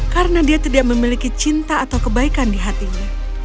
karena dia tidak memiliki cinta atau kebaikan di hatinya